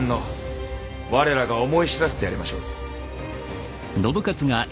我らが思い知らせてやりましょうぞ。